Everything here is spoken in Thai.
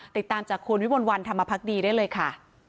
ติดตามจากคุณวิมลวันธรรมพักดีได้เลยค่ะ